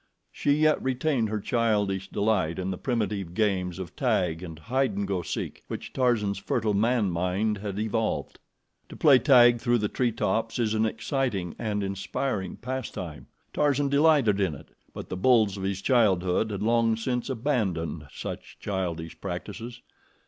She yet retained her childish delight in the primitive games of tag and hide and go seek which Tarzan's fertile man mind had evolved. To play tag through the tree tops is an exciting and inspiring pastime. Tarzan delighted in it, but the bulls of his childhood had long since abandoned such childish practices.